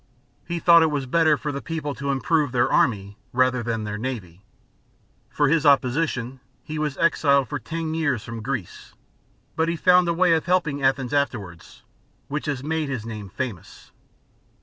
He thought it was better for the people to improve their army, rather than their cnavy. For his opposition, he was exiled for ten years from Greece, but he found a way of helping Athens afterwards, which has made his name famous.